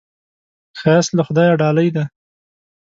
ښایست له خدایه ډالۍ ده